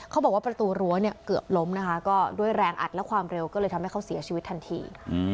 เขาบอกว่าประตูรั้วเนี่ยเกือบล้มนะคะก็ด้วยแรงอัดและความเร็วก็เลยทำให้เขาเสียชีวิตทันที